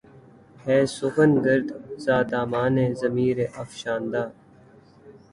ہے سخن گرد ز دَامانِ ضمیر افشاندہ